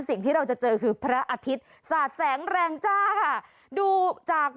สิ่งที่เราจะเจอคือพระอาทิตย์สาดแสงแรงจ้าค่ะดูจาก